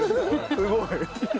すごい。